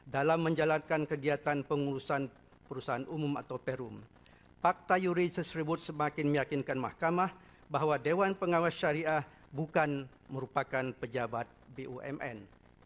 dalam menjalankan kegiatan pengurusan perusahaan umum atau perum fakta yuries ribut semakin meyakinkan mahkamah bahwa dewan pengawas syariah bukan merupakan pejabat bumn